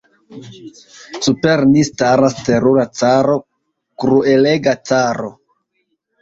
Super ni staras terura caro, kruelega caro.